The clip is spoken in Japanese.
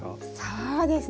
そうですね